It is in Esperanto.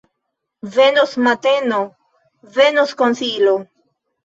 Venos mateno, venos konsilo!